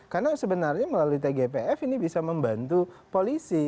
karena sebenarnya melalui tgpf ini bisa membantu polisi